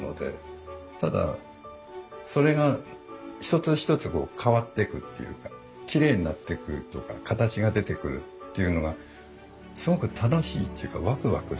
ただそれが一つ一つ変わってくっていうかきれいになってくとか形が出てくるっていうのがすごく楽しいっていうかワクワクするというか。